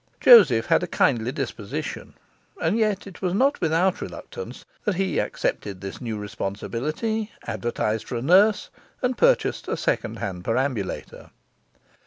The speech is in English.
Joseph had a kindly disposition; and yet it was not without reluctance that he accepted this new responsibility, advertised for a nurse, and purchased a second hand perambulator.